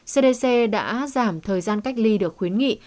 cdc đã giảm thời gian cách ly được khuyến nghị